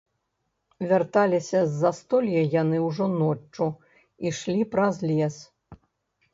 Вярталіся з застолля яны ўжо ноччу, ішлі праз лес.